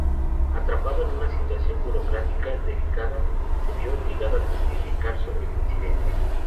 Atrapado en una situación burocrática delicada, se vio obligado a testificar sobre el incidente.